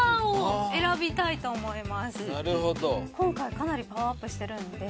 今回かなりパワーアップしてるんで。